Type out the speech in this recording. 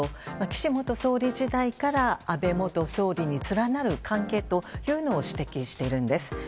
岸元総理時代から安倍元総理に連なる関係というのを指摘しているんです。